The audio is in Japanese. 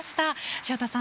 潮田さん